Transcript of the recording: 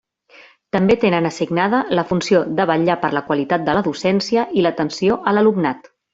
També tenen assignada la funció de vetllar per la qualitat de la docència i l'atenció a l'alumnat.